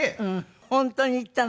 本当に行ったの？